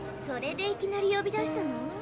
それでいきなり呼び出したの？